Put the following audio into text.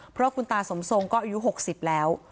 เพราะคุณตาสมทรงก็อายุ๖๐แล้ว